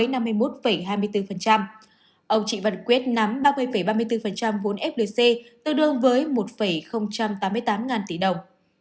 ông trịnh văn quyết nắm ba mươi ba mươi bốn vốn flc tương đương với một tám mươi tám ngàn tỷ đồng